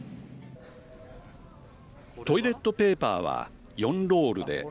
トイレットペーパーは４ロールで。